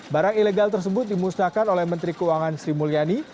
barang ilegal tersebut dimusnahkan oleh menteri keuangan sri mulyani